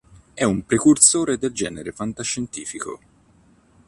È un precursore del genere fantascientifico.